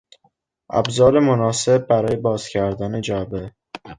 ابزار مناسب برای باز کردن جعبه